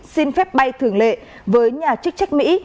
xin phép bay thường lệ với nhà chức trách mỹ